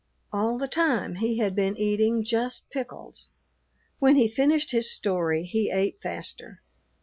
All the time he had been eating just pickles; when he finished his story he ate faster.